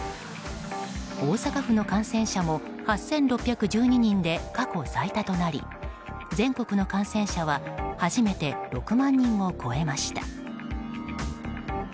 大阪府の感染者も８６１２人で過去最多となり全国の感染者は初めて６万人を超えました。